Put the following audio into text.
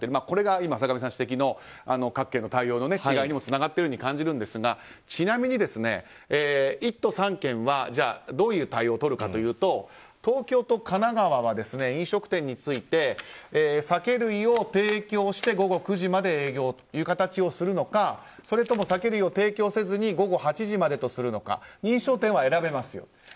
これが今、坂上さん指摘の各県の対応の違いにもつながっているように感じるんですがちなみに１都３県はどういう対応をとるかというと東京と神奈川は飲食店について酒類を提供して午後９時まで営業という形をするのかそれとも酒類を提供せずに午後８時までとするのか認証店は選べますよと。